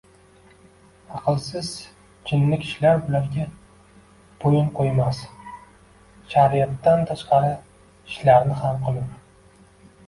Aqlsiz jinni kishilar bularga bo’yun qo’ymas, shariatdan tashqari ishlarni ham qilur